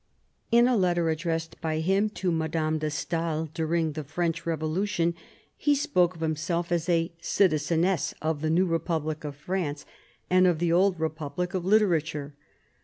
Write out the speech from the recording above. In a letter addressed by him to Madame de Staël during the French revolution he spoke of himself as "citizeness of the New Republic of France, and of the old Republic of Literature."